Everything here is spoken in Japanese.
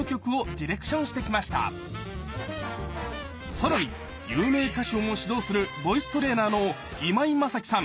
更に有名歌手をも指導するボイストレーナーの今井マサキさん